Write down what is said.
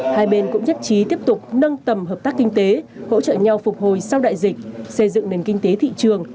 hai bên cũng nhất trí tiếp tục nâng tầm hợp tác kinh tế hỗ trợ nhau phục hồi sau đại dịch xây dựng nền kinh tế thị trường